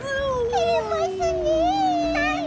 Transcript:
てれますねえ。